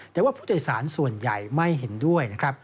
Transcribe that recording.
แต่ว่าผู้โดยสารส่วนใหญ่ไม่เห็นด้วยนะครับ